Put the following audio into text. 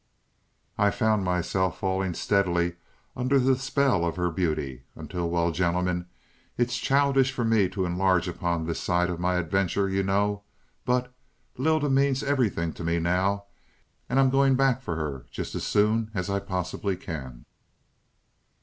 "I found myself falling steadily under the spell of her beauty, until well, gentlemen, it's childish for me to enlarge upon this side of my adventure, you know; but Lylda means everything to me now, and I'm going back for her just as soon as I possibly can."